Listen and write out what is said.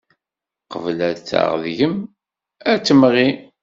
Qbel ad taɣ deg-m, ad temɣi.